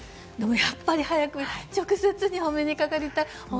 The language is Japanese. でもやっぱり早く直接にお目にかかりたい。